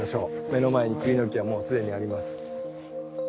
目の前にクリの木はもうすでにあります。